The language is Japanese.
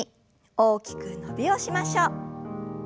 大きく伸びをしましょう。